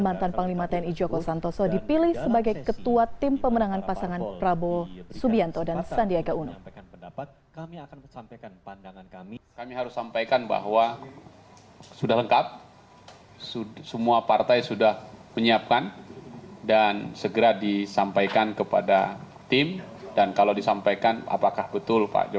mantan panglima tni joko santoso dipilih sebagai ketua tim pemenangan pasangan prabowo subianto dan sandiaga uno